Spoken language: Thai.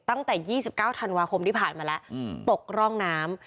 ตั้งแต่๒๙ธันวาคมที่ผ่านมาแล้วตกร่องน้ำ